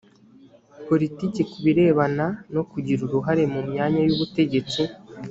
poritiki ku birebana no kugira uruhare mu myanya y ubutegetsi